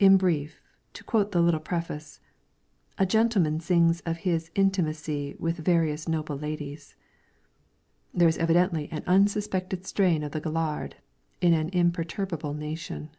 In brief, to quote the ' Little Preface,' ' A Gentleman sings of his Intimacy with Various Noble Ladies.' There is evidently an unsuspected strain of the ' gaillard ' in an imperturbable nation.